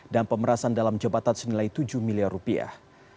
dan pemerasan dalam jebatan senilai tujuh miliar rupiah